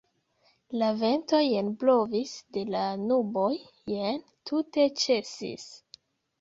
La vento jen blovis de la nuboj, jen tute ĉesis.